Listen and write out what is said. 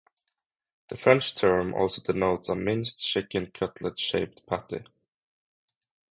The French term also denotes a minced chicken cutlet-shaped patty.